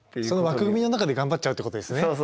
その枠組みの中で頑張っちゃうってことですね。